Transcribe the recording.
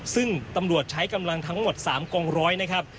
ซึ่งตำรวจใช้กำลังทั้งหมด๓กองร้อยนะครับ